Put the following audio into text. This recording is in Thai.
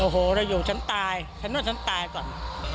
โอ้โหเราอยู่ฉันตายฉันว่าฉันตายก่อน